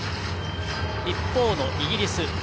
一方のイギリス。